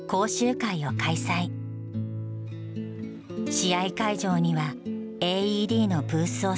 試合会場にはＡＥＤのブースを設置。